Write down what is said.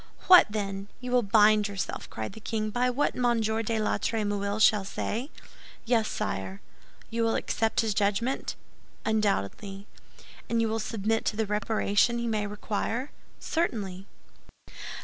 "What, then! You will bind yourself," cried the king, "by what Monsieur de la Trémouille shall say?" "Yes, sire." "You will accept his judgment?" "Undoubtedly." "And you will submit to the reparation he may require?" "Certainly."